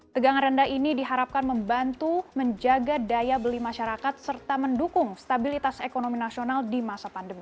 tegangan rendah ini diharapkan membantu menjaga daya beli masyarakat serta mendukung stabilitas ekonomi nasional di masa pandemi